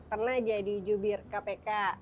pernah jadi jubir kpk